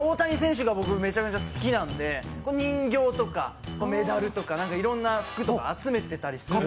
大谷選手が僕めちゃめちゃ好きなので人形とかメダルとか服とか集めてる。